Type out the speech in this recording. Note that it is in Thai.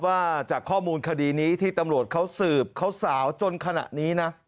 ว่าจากข้อมูลคดีนี้ที่ตำรวจเขาสืบเขาสาวจนขณะนี้นะ